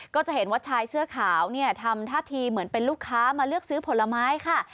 ก็จะเห็นว่าชายเสื้อขาวเนี่ยทำท่าทีเหมือนเป็นลูกค้ามาเลือกซื้อผลไม้ค่ะ